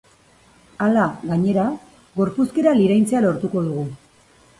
Hala, gainera, gorpuzkera liraintzea lortuko dugu.